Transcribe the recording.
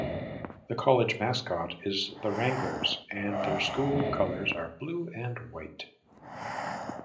The college mascot is the Wranglers, and their school colors are blue and white.